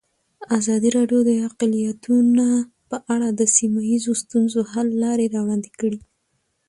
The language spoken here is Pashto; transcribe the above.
ازادي راډیو د اقلیتونه په اړه د سیمه ییزو ستونزو حل لارې راوړاندې کړې.